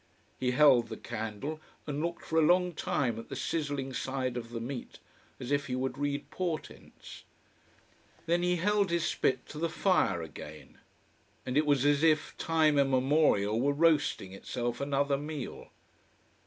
He held the candle and looked for a long time at the sizzling side of the meat, as if he would read portents. Then he held his spit to the fire again. And it was as if time immemorial were roasting itself another meal.